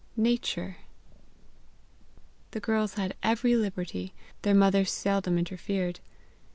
NATURE. The girls had every liberty; their mother seldom interfered.